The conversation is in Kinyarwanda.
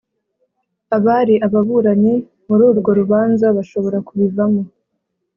abari ababuranyi muri urwo rubanza bashobora kubivamo\